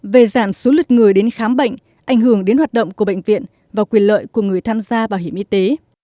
về giảm số lượt người đến khám bệnh ảnh hưởng đến hoạt động của bệnh viện và quyền lợi của người tham gia bảo hiểm y tế